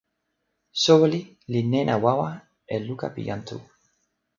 soweli li nena wawa e luka pi jan Tu.